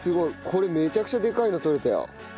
これめちゃくちゃでかいの取れたよ。